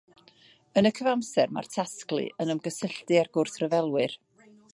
Yn y cyfamser mae'r Tasglu yn ymgysylltu â'r gwrthryfelwyr.